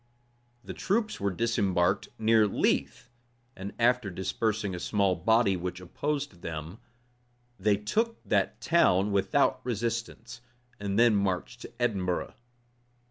The troops were disembarked near Leith; and after dispersing a small body which opposed them, they took that town without resistance, and then marched to Edinburgh.